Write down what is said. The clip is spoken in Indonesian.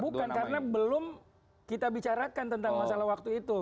bukan karena belum kita bicarakan tentang masalah waktu itu